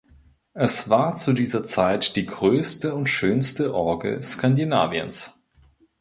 Es war zu dieser Zeit die größte und schönste Orgel Skandinaviens.